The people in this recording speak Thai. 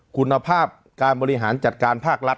คุณภาพการบริหารจัดการภาครัฐ